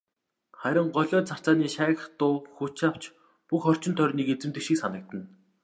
Харин голио царцааны шаагих дуу хүч авч бүх орчин тойрныг эзэмдэх шиг санагдана.